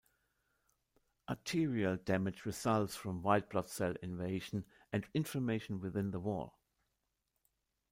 Arterial damage results from white blood cell invasion and inflammation within the wall.